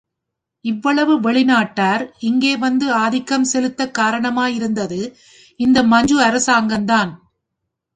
இவ்வளவு வெளிநாட்டார் இங்கே வந்து ஆதிக்கம் செலுத்த காரணமாயிருந்தது இந்த மஞ்சு அரசாங்கத்தான்.